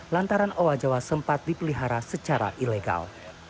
lantaran owa jawa sempat dipelihara secara ilegal